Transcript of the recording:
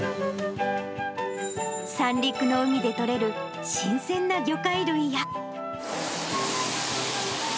三陸の海で取れる新鮮な魚介類や。